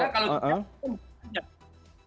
ya karena kalau